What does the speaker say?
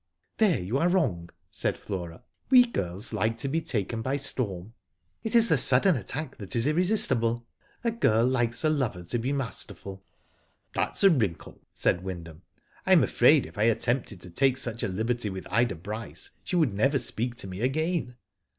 " There you are wrong," said Flora. '* We girls like to be taken by storm. It is the sudden attack that is irresistible. A girl likes a lover to be masterful." *' That's a wrinkle," said Wyndham. "I am afraid if I attempted to take such a liberty with Ida Bryce she would never speak to me again."